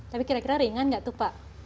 tapi kira kira ringan nggak tuh pak